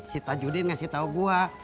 si tajudin ngasih tahu gue